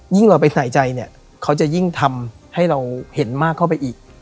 เราไปใส่ใจเนี่ยเขาจะยิ่งทำให้เราเห็นมากเข้าไปอีก